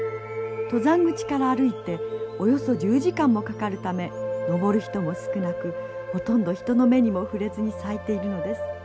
登山口から歩いておよそ１０時間もかかるため登る人も少なくほとんど人の目にも触れずに咲いているのです。